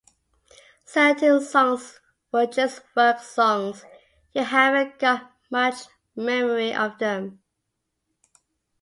Certain songs were just 'work' songs, you haven't got much memory of them.